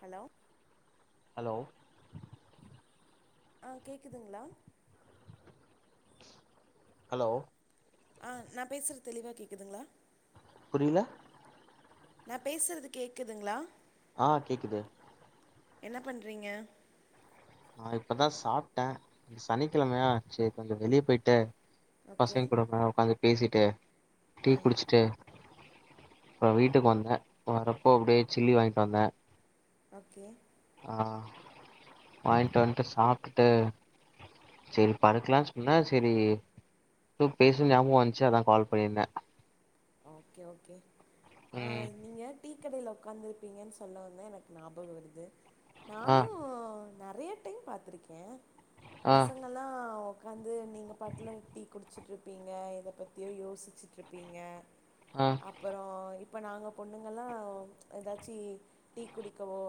hello hello ஆ கேட்குதுங்ளா hello ஆ நா பேசுறது தெளிவா கேக்குதுங்களா புரில நா பேசுறது கேட்குதுங்களா ஆ கேக்குது என்ன பண்றீங்க நா இப்பதா சாப்ட்ட சனிக்கெழமையா செர் கொஞ்சோ வெளிய போய்ட்டு ஓகே பசங்கங்கூட கொஞ்ச நேரோ உக்காந்து பேசிட்டு டீ ஆ குடிச்சுட்டு அப்ரோ வீட்டுக்கு வந்த வரப்போ அப்டியே சில்லி வாங்கிட்டு வந்த ஓகே ஆ வாங்கிட்டு வந்ட்டு சாப்டுட்டு சேரி படுக்லானு சொன்ன சேரி எதோ பேசணு ஞாபகோ வந்துச்சு அதா கால் பண்ணிருந்த ஓகே ஓகே ஆ ம் நீங்க டீ கடைல உக்காந்துருப்பீங்கன்னு சொல்லவுதா எனக்கு ஞாபகோ வருது ஆ நானு நெறய டைம் பாத்ருக்கே ஆ பசங் அதல்லா உக்காந்து நீங்க பாட்ல டீ குடிச்சுட்ருப்பீங்க எத பத்தியோ யோசிச்சுட்டுருப்பீங்க ஆ அப்பரோ இப்ப நாங்க பொண்ணுங்கள்ளா ஏதாச்சி டீ குடிக்கவோ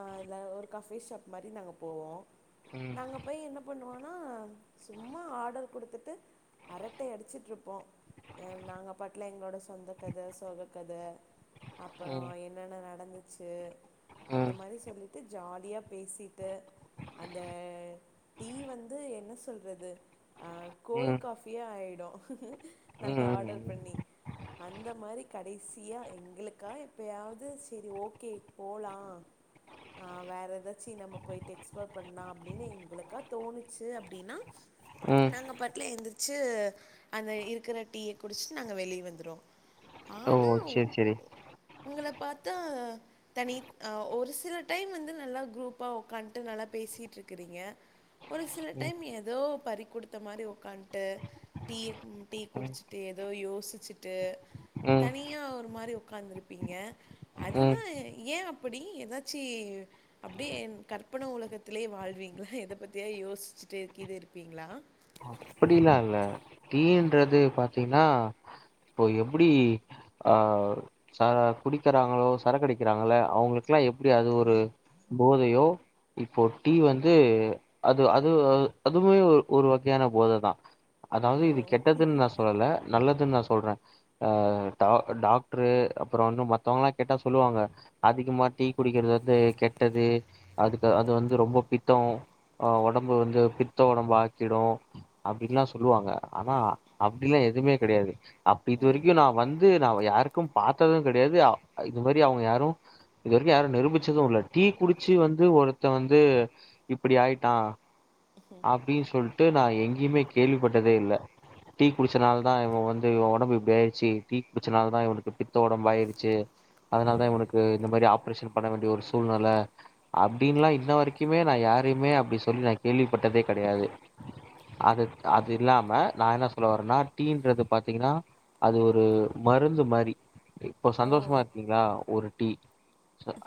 ஆ இல்ல ஒரு கஃபே ஷாப் மாரி நாங்க போவோ ம் நாங்கப் போய் என்ன பண்ணுவோனா சும்மா ஆர்டர் குடுத்துட்டு அரட்டை அடிச்சிட்ருப்போ ஏ நாங்க பட் ள எங்களோட சொந்த கத சோகக்கத அப்பரோ ம் என்னென்ன நடந்துச்சு அந்த ம் மாரி சொல்லி ட்டு ஜாலியா பேசிட்டு அந்த டீ வந்து என்ன சொல்றது ஆ கோல் ம் காஃபியே ஆயிடு நாங்க ம் ஆர்டர் ம் பண்ணி அந்த மாரி கடைசியா எங்களுக்கா எப்பயாவது சரி ஓ கே போலா ஆ வேற ஏதாச்சி நம்ம போய்ட்டு எக்ஸ்ப்ளோர் பண்ளா அப்டின்னு எங்களுக்கா தோணுச்சு அப்டின்னா ம் நாங்க பாட்ல எந்துருச்சு அந்த இருக்கற டீய குடிச்சி நாங்க வெளிய வந் துருவோ ஓ ஆனா சேரி சேரி உங்கள பாத்தா தனி ஆ ஒரு சில டைம் வந்து நல்லா குரூப்பா உக்காண்டு நல்லா பேசிட்டுருக்கறீங்க ஒரு சில ம் டைம் ஏதோ பறி குடுத்த மாரி உக்காந்டு டீய ம் டீ ம் குடிச்சிட்டு ஏதோ யோசிச்சிட்டு ம் தனியா ஒரு மாரி உக்காந்துருப்பீங்க ம் அதுதா ஏ அப்புடி எதாச்சி அப்டியே என் கற்பன உலகத்துலயே வாழ்வீங்களா எத பத்தியா யோசிச்சுட்டேகீது இருப்பீங்ளா அப்புடிலா இல்ல டீ ன்றது பாத்தீங்னா இப்போ எப்புடி ஆ ச குடிக்கறாங்களோ சரக்கடிக்கறாங்கள அவுங்களுக்குலா எப்புடி அது ஒரு போதையோ இப்போ டீ வந்து அது அது அது அதுமே ஒரு ஒரு வகையான போத தா அதாவது ஓ இது கெட்டதுன்னு நா சொல்லல நல்லதுன்னு நா சொல்ற ஆ டா டாக்ட்ரு அப்ரோ ஒன்னு மத்தவங்கலா கேட்டா சொல்லுவாங்க அதிகமா டீ குடிக்கறது வந்து கெட்டது அதுக்கு அது வந்து ரொம்ப பித்தோ ஆ ஒடம்பு வந்து பித்த ஒடம்பு ஆக்கிடு அப்டிலா சொல்லுவாங்க ஆனா அப்டிலா எதுமே கெடையாது அப்ப இது வரைக்கு நா வந்து நா யாருக்கு பாத்தது கெடயாது இது மாரி அவுங்க யாரு இது வரைக்கு யாரு நிரூபிச்சது இல்ல டீ குடிச்சு வந்து ஒருத்த வந்து இப்புடி ஆயிட்டா அப்டின்னு சொல்ட்டு நா எங்கேயுமே கேள்விப்பட்டதே இல்ல டீ குடிச்சனால தா இவ வந்து இவ ஒடம்பு இப்டி ஆயிருச்சு டீ குடிச்சனாலதா இவனுக்கு பித்த ஒடம்பு ஆயிருச்சு அதனாலதா இவனுக்கு இந்த மாதிரி ஆப்ரேஷன் பண்ண வேண்டிய ஒரு சூழ்நெல அப்டின்ல்லா இன்ன வரைக்குமே நா யாரையுமே அப்டி சொல்லி நா கேள்விப்பட்டதே கெடையாது அது அது இல்லாம நா என்ன சொல்ல வரேன்னா டீன்றது பாத்தீங்கன்னா அது ஒரு மருந்து மாரி இப்போ ஓ சந்தோஷமா இருக்கீங்ளா ஒரு டீ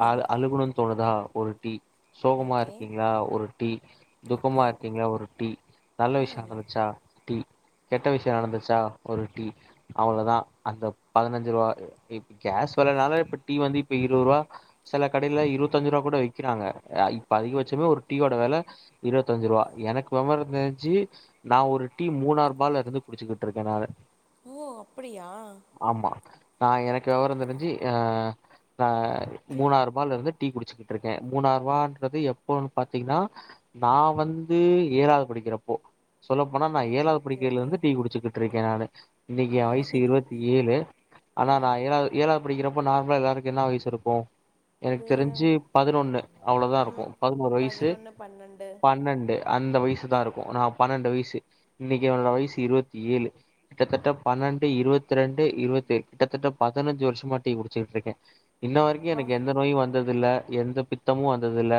அ அழுகணும்னு தோணுதா ஒரு டீ சோகமா ஓகே இருக்கீங்களா ஒரு டீ ஓகே துக்கமாருக்கீங்களா ஒரு டீ நல்ல விஷயோ ம் நடந்துச்சா டீ கெட்ட விஷயோ நடந்துச்சா ஒரு டீ அவ்ளோதா அந்த பதினஞ்சு ரூவா இப்ப கேஸ் வெலனாலே இப்ப டீ வந்து இப்ப இருவது ரூபா சில கடைலலா இருபத்தஞ்சு ரூபா கூட விக்கிறாங்க இப்ப அதிகபட்சமே ஒரு டீயோட வெல இருபத்தஞ்சு ருவா எனக்கு வெவரோ தெரிஞ் சி நா ஒரு டீ மூணாரூபாருந்து குடிச்சுக்கிட்டுருக்கேன் நானு ஓ அப்டியா ஆமா நா எனக்கு வெவரோ தெரிஞ்சு ஆ ஆ மூணா ரூபாலருந்து டீ குடிச்சுக்கிட்டு இருக்கே மூணாறு ரூபான்றது எப்போன்னு பாத்தீங்கன்னா நா வந்து ஏழாது படிக்கிறப் போ சொல்லப்போனா நா ஓ ஏழாவது ஓகே ஓகே படிக்கைலருந்து டீ குடிச்சுக்கிட்டு இருக்கே நானு இன்னக்கி ஏ பார்றா வயசு இருவத்தி ஏழு ஆனா நா ஏழாது ஏழாவது படிக்கிறப்போ நார்மலா எல்லாருக்கு என்ன வயசு இருக்கு எனக்கு ஒரு தெரிஞ்சி பதினொன்னு அவளோதா இருக்கு ம் பதினோரு வயசு பதினொன்னு பன்னெண்டு பன்னெண்டு அந்த வயசு தா இருக்கு நா பன்னெண்டு வயசு இன்னைக்கு என்னோட வயசு இருவத்தி ஏழு கிட்டத்தட்ட பன்னெண்டு இருவத்தி ரெண்டு இருவத்தி ஏழு கிட்டத்தட்ட பதினஞ்சு வருஷமா டீ குடிச்சுட்டு இருக்கே இன்ன வரைக்கு அப்பா எனக்கு எந்த நோயு வந்தது இல்ல எந்த பித்தமு வந்தது இல்ல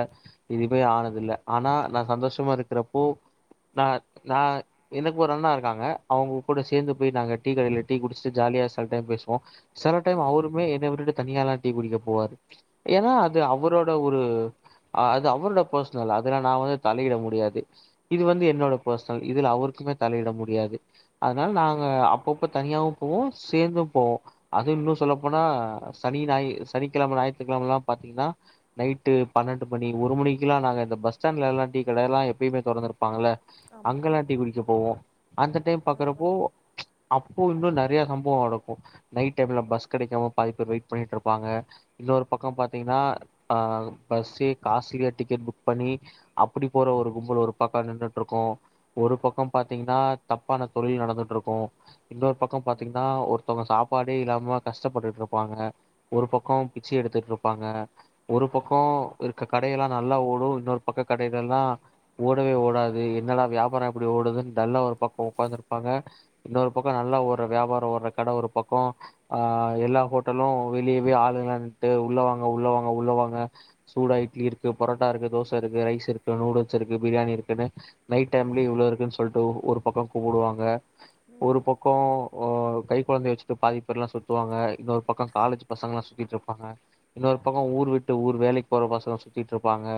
எதுவு ஆனது இல்ல ஆனா நா சந்தோஷமா இருக்குறப்போ நா நா எனக்கு ஒரு அண்ணா இருக்காங்க அவுங்க கூட சேந்து போய் நாங்க டீ கடைல டீ குடிச்சுட்டு ஜாலியா சில டைம் பேசுவோ சில டைம் அவுருமே என்னைய விட்டுட்டு தனியாலா டீ குடிக்க போவாரு ஏனா அது அவரோட ஒரு அ அது அவரோட ஃபெர்சனல் அதுல நா வந்து தலயிட முடியாது இது வந்து என்னோட பெர்ச்னல் இதுல அவருக்குமே தலயிட முடியாது அதனால நாங்க அப்பப்போ தனியாவு போவோ சேந்தும் போவோ அதுவு இன்னு சொல்லப்போனா சனி ஞாயி சனிக்கிழம ஞாயித்துக்கிழம எல்லா பாத்தீங்கன்னா நைட்டு பன்னெண்டு மணி ஒரு மணிக்கெல்லா நாங்க இந்த பஸ் ஸ்டாண்ட்லலா டீ கடயெல்லா எப்பயுமே திறந்து இருக் ப்பாங்கள ஆமா அங்கெல்லா டீ குடிக்க போவோ அந்த டைம் பார்றா பாக்குறப்போ அப்போ இன்னு நறைய சம்பவோ நடக்கு நைட் டைம்ல பஸ் கெடைக்காம பாதி பேர் வெயிட் பண்ணிட்டுருப்பாங்க இன்னொரு பக்கோ அ பாத்தீங்கன்னா அ பஸ்சே காஸ்லியா டிக்கெட் புக் பண்ணி அப்டி போற ஒரு கும்பல் ஒரு பக்கோ நின்னுட்டுருக்கு ஒரு பக்கோ பாத்தீங்கன்னா தப்பான தொழில் நடந்துட்டுருக்கு இன்னொரு பக்கோ பாத்தீங்கன்னா ஒருத்தவங்க சாப்பாடே இல்லாம கஷ்டப்பட்டுட்டுருப்பாங்க ஒரு பக்கோ பிச்சை எடுத்துட்டுருப்பாங்க ஒரு பக்கோ இருக்க கடையெல்லா நல்லா ஓடு இன்னொரு பக்கோ கடைகள்ல்லா ஓடவே ஓடாது என்னல்லா வியாபாரம் எப்டி ஓடுதுன்னு டல்லா ஒரு பக்கோ உக்காந்துருப்பாங்க இன்னொரு பக்கோ நல்லா ஓடுற நல்லா ஒரு வியாபாரம் ஒரு கடை ஒரு பக்கோ அ எல்லா ஹோட்டலு வெளியவே ஆளு நின்னுட்டு உள்ள வாங்க உள்ள வாங்க உள்ள வாங்க சூடா இட்லி இருக்கு பரோட்டா இருக்கு தோச இருக்கு ரைஸ் இருக்கு நூடுல்ஸ் இருக்கு பிரியாணி இருக்குன்னு நைட் டைம்லயே இவ்ளோ இருக்குன்னு சொல்லிட்டு ஒரு பக்கோ கூப்புடுவாங்க ஒரு பக் ஓ கை கொழந்தய வச்சுட்டு பாதி பேர் எல்லா சுத்துவாங்க இன்னொரு பக்கோ காலேஜ் பசங்கல்லா சுத்திட்டு இருப்பாங்க இன்னொரு பக்கோ ஊர் விட்டு ஊர் வேலைக்கு போற பசங்க சுத்திட்டு இருப்பாங்க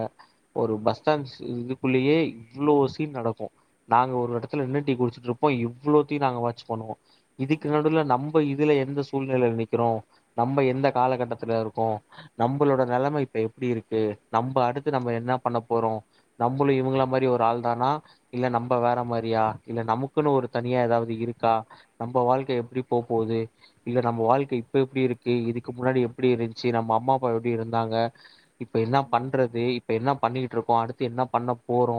ஒரு பஸ் ஸ்டாண்ட் இதுக்குள்ளயே இவ்ளோ சீன் நடக்கு நாங்க ஒரு இடத்துல நின்னு டீ குடிச்சுட்டு இருப்போ இவ்வளோத்தையு நாங்க வாட்ச் பண்ணுவோ இதுக்கு நடுவுல நம் ம இதுல எந்த சூழ்நிலைல நிக்கிறோ நம்ம எந்த காலகட்டத்துல இருக்கோ நம்மளோட நிலம இப்ப எப்டி இருக்கு நம்ம அடுத்து நம்ம என்ன பண்ண போறோ நம்மளு இவுங்கள மாரி ஒரு ஆள் தானா இல்ல நம்ம வேற மாரியா இல்ல நமக்குன்னு ஒரு தனியா எதாவது இருக்கா நம்ம வாழ்க்க எப்படி போ போது இல்ல நம்ம வாழ்க்க இப்ப எப்டி இருக்கு இதுக்கு முன்னாடி எப்டி இருந்துச்சு நம்ம அம்மா அப்பா எப்டி இருந்தாங்க இப்ப என்ன பண்றது இப்ப என்ன பண்ணிட்டு இருக்கோ அடுத் து என்ன பண்ண போறோ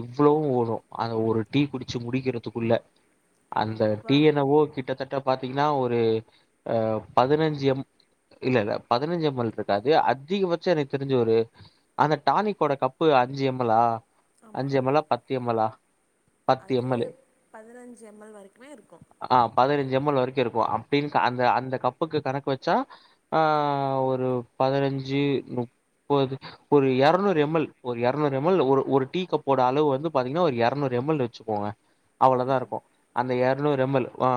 இவ்வளவு ஓடு அந்த ஒரு டீ குடிச்சு முடிக்கிறதுக்குள்ள அந்த டீ அப்பா என்னவோ கிட்டத்தட்ட பாத்தீங்ன்னா ஒரு அ பதினஞ்சு எம் இல்ல இல்ல பதினஞ்சு எம் எல் இருக்காது அதிகபட்சம் எனக்கு தெரிஞ்சு ஒரு அந்த டானிக்கோட கப் பு அஞ்சு எம் எல் லா ஆமா அஞ்சு எம் எல் லா பத்து எம் எல் லா பத்து அது எம் எல் லு பதினஞ்சு எம் எல் வரைக்குமே இருக்கு ஆ பதினஞ்சு எம் எல் வரைக்கு இருக்கு அப்டின்னு அந்த அந்த கப்புக்கு கணக்கு வச்சா ஆ ஒரு பதினஞ்சு முப்பது ஒரு எரநூறு எம் எல் ஒரு இரநூறு எம் எல் ஒரு ஒரு டீ கப்போட அளவு வந்து பாத்தீங்கன்னா ஒரு இரநூறு எம் எல் வச்சுக்கோங்க அவ்ளோதா இருக்கு அந்த இரநூறு எம் எல் லு ஓ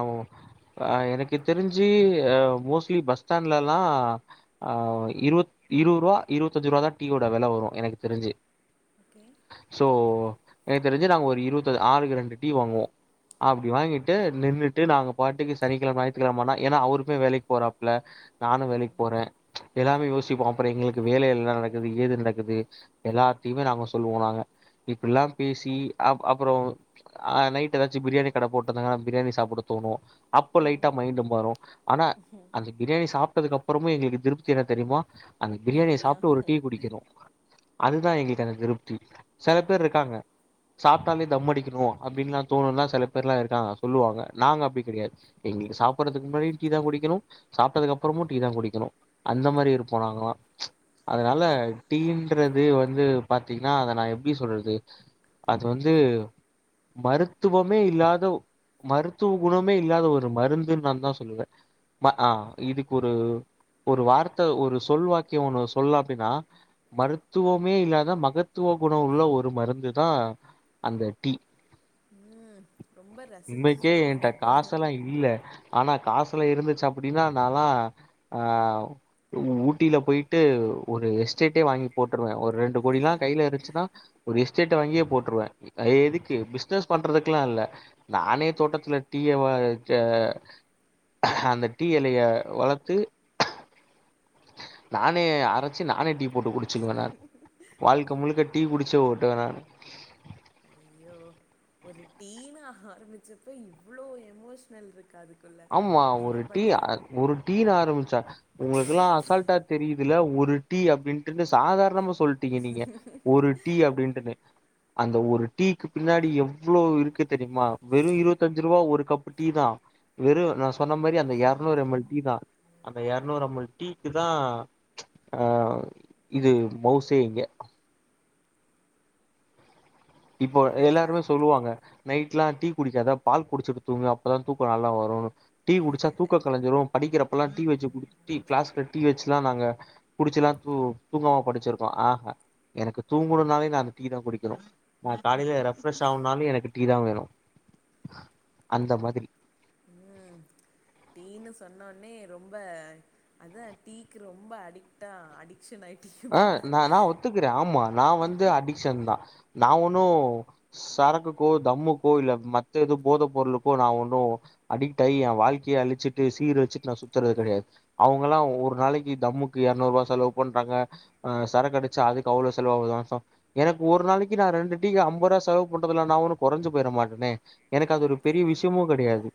அ எனக்கு தெரிஞ்சு அ மோஸ்ட்லி பஸ் ஸ்டாண்ட்லல்லா ஆ இருவத் இருவரூவா இருபத்தஞ்சு ரூவா தா டீயோட வெலை வரு எனக்கு தெரிஞ்சு ஓகே சோ எனக்கு தெரிஞ்சு நாங்க ஒரு இருவத் ஆளுக்கு ரெண்டு டீ வாங்குவோ அப்டி வாங்கிட்டு நின்னுட்டு நாங்க பாட்டுக்கு சனிக்கிழம ஞாயித்கிழம ஆண்ணா ஏன்னா அவருமே வேலைக்கு போறாப்புல நானு வேலைக்கு போறே எல்லாமே ஓகே யோசிப்போ அப்புறோ எங்களுக்கு வேலை எல்லா நடக்குது ஏது நடக்குது எல்லாத்தையுமே நாங்க சொல்லுவோ நாங்க இப்டில்லா பேசி அ அப்றோ ஆ நைட் எதாச்சு பிரியாணி கட போட்டிருந்தாங்கன்னா பிரியாணி சாப்பிட தோணு அப்ப லைட்டா ம் மைண்டு மாறு ஆனா அந்த பிரியாணி சாப்ட்டதுக்கு அப்புறமு எங்களுக்கு திருப்தி என்ன தெரியுமா அந்த பிரியாணிய டீயா சாப்ட்டு ஒரு டீ குடிக்கனு அதுதா எங்களுக்கான திருப்தி சில பேர் ஆமா இருக்காங்க சாப்ட்டாலே தம்மடிக்கணு அப்டின்னுலா தோணும்ன்னா சில பேர் எலா இருக்காங்க சொல்லுவாங்க நாங்க அப்டி கிடையாது எங்களுக்கு சாப்டடுறதுக்கு முன்னாடி டீ தா குடிக்கணு சாப்ட்டதுக்கு அப்புறமு டீ தா குடிக்கணு அந்த மாரி இருப்போ நாங்ளா அதனால அப்பா டீ இருக்கறது வந்து பாத்தீங்கன்னா அத நா எப்டி சொல்றது அது வந்து மருத்துவமே இல்லாத மருத்துவ குணமே இல்லாத ஒரு மருந்துன்னு நா தா சொல்லுவே ஆ இதுக்கு ஒரு ஒரு வார்த்த ஒரு சொல்வாக்கியோ ஒன்னு சொல்லா அப்டின்னா மருத்துவமே இல்லாத மகத்துவ குண உள்ள ஒரு மருந்து தா அந்த டீ அஹ் இன்னைக்கே ஏன்ட்ட காசல்லா இல்ல ஆனா காசு இருந்துச்சு அப்டின்னா நாலா ஆ ஊட்டியில போய்ட்டு ஒரு எஸ்டேட் வாங்கி போட்டுருவே ஒரு ரெண்டு கோடில்லா கைல இருந்ச்சுன்னா ஒரு எஸ்டேட்ட வங்கியே போட்டுருவே எதுக்கு பிசினஸ் பண்றதுக்கெல்லா இல்ல நானே தோட்டத்துல டீய வ க அந்த டீ எலய வளத்து நானே அரச்சு நானே டீ போட்டு குடிச்சிடுவே நா வாழ்க்க முழுக்க டீ குடிச்ச ஓட்டுவே நா ஐயோ ஒரு டீனு ஆரம்பிச்சப்ப இவ்ளோ எமோஷனல் இருக் காதுக்குள்ள ஆமா எங்க பட்ல ஒரு டீ ன ஆரம்பிச்சா உங்களுக்கெல்லா அசால்டா தெரியுதுல ஒரு டீ அப்டின்ட்டுனு சாதாரணமா சொல்ட் டீங்க நீங்க ஒரு டீ அப்டின்ட்டுன்னு அந்த ஒரு டீக்கு பின்னாடி எவ்ளோ இருக்கு தெரியுமா வெறு இருவத்தஞ்சு ருவா ஒரு கப்பு டீ தா வெறு நா சொன்ன மாரி அந்த எரநூறு எம் எல் டி தா அந்த எரநூறு எம் எல் டிக்கு தா அ இது மவுசே இங்க இப்போ எனக்கு எல்லாருமே நான் சொல்லுவாங்க நைட்லா டீ குடிக்காத பால் குடிச்சிட்டு தூங்கு அப்பதா தூக்க நல்லா வரு டீ குடிச்சா தூக்க கலஞ்சுரு படிக்கிறப்பல்லா டீ வச்சு குடுத்துட்டு கிளாஸ்ல டீ வச்சுலா நாங்க குடிச்சில்லா தூ தூங்காம படிச்சிருக்கோ ஆ எனக்கு தூங்குணும்னாலே நா அந்த டீ தா குடிக்கணு நா காலையில ரெஃப்ரெஷ் ஆகனாலு எனக்கு டீ தா வேணு அந்த மாரி ம் டீன்னு சொன்னோனே ரொம்ப அதா டீக்கு ரொம்ப அடிக்டா அடி க்சனாயிட்டி ஆ நா நா ஒத்துக்கிறே ஆமா நா வந்து அடிக்ஷன் தா நா ஒண்ணு சரக்குக்கோ தம்முக்கோ இல்ல மத்தே எது போத பொருளுக்கோ நா ஒன்னு அடிக்ட் ஆகி எ வாழ்க்கைய அழிச்சிட்டு சீரழிச்சிட்டு நா சுத்துறது கெடையாது அவுங்கல்லா ஒரு நாளைக்கு தம்முக்கு எரநூற்பா செலவு பண்றாங்க ஆ சரக்கடிச்சா அதுக்கு அவ்ளோ செலவாவுதா மாச எனக்கு ஒரு நாளைக்கு நா ரெண்டு டீக்கு ஐம்பரூவா செலவு பண்றதுல நா ஒன்னு கொறஞ்சு போயிற மாட்டனே எனக்கு அது ஒரு பெரிய ஓகேங்க விஷ்யமு கெடையாது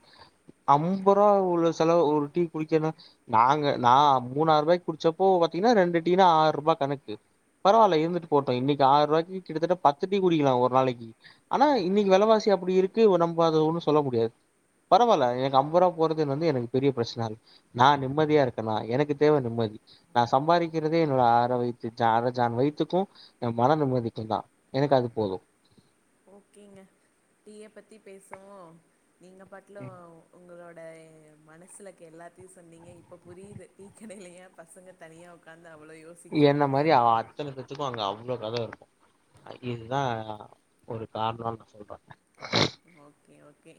ஐம்ப ரூா உள்ள செலவு ஒரு டீ குடிக்கன்னா நாங்க நா மூணாயிற ரூவாக்கி குடிச்சப்போ பாத்தீங்கனா ரெண்டு டீனு ஆர் ரூபா கணக்கு பரவால்ல இருந்துட்டு போட்டு இன்னக்கி ஆயரூவாக்கி கிட்டதட்ட பத்து டீ குடிக்கலா ஒரு நாளைக்கி ஆனா இன்னிக்கி வெலவாசி அப்டி இருக்கு நம்ப அத ஒன்னு சொல்ல முடியாது பரவால எனக் அம்பருவா போறது வந்து எனக்கு பெரிய பிரச்சன இல்ல நா நிம்மதியா இருக்கனா எனக்கு தேவ நிம்மதி நா சம்பாதிக்கிறதே என்னோட அர வைத்து ஜா அர ஜான் வைத்துக்கு மன நிம்மதிக்கும் தா எனக்கு அது போது ஓகேங்க டீய பத்தி பேசவு நீங்க பாட்ல உங்களோ ட மனசுல இருக்க எல்லாத்தியு சொன்னீங்க இப்ப புரியிது டீக்கடையில ஏ பசங்க தனியா உக்காந்து அவ்ளோ யோ என்ன மாரி அத்தன பேத்துக்கும் அங்க அவ்ளோ கத இருக்கு இதுதா ஒரு காரணம்டு சொல்றாங்க ஓகே ஓகே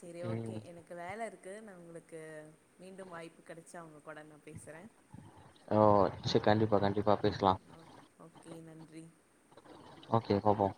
செரி ஓகே ம் எனக் கு வேல இருக்கு நா உங்களுக்கு மீண்டும் வாய்ப்பு கெடச்சா உங்க கூட நா பேசுற ஓ செரி கண்டிப்பா கண்டிப்பா பேசலா ஒ ஓகே நன்றி ஓகே பாப்போ